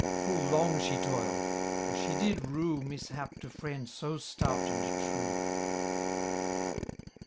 Full long she toil'd ; for she did rue Mishap to friend so stout and true.